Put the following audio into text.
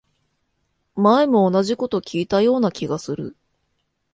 前も同じこと聞いたような気がする